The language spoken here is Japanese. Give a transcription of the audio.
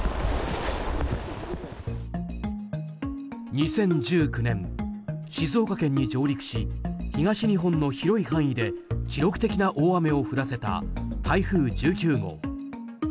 ２０１９年、静岡県に上陸し東日本の広い範囲で記録的な大雨を降らせた台風１９号。